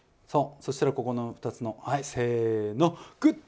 そしたらここの２つのはいせのぐっ！